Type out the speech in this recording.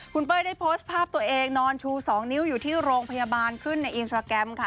คุณเป้ยได้โพสต์ภาพตัวเองนอนชู๒นิ้วอยู่ที่โรงพยาบาลขึ้นในอินสตราแกรมค่ะ